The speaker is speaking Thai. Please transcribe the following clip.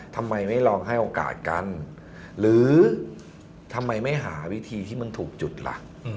ทำไมไม่ลองให้โอกาสกันหรือทำไมไม่หาวิธีที่มันถูกจุดล่ะ